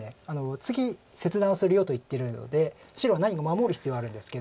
次切断するよと言ってるので白は何か守る必要があるんですけど。